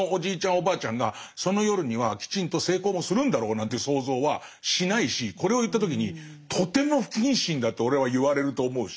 おばあちゃんがその夜にはきちんと性交もするんだろうなんていう想像はしないしこれを言った時にとても不謹慎だって俺は言われると思うし。